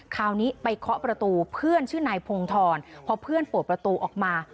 คราวนี้ไปเคาะประตูเพื่อนชื่อนายพงธรพอเพื่อนเปิดประตูออกมา